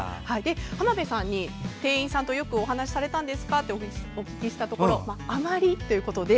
浜辺さんに店員さんとお話をされたんですかお聞きしたところ「あまり」ということで。